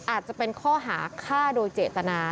อาจจะเป็นข้อหาฆ่าโดยเจตนา